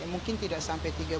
mungkin tidak sampai